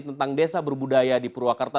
tentang desa berbudaya di purwakarta